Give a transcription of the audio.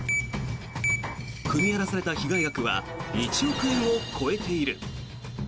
踏み荒らされた被害額は１億円を超えている。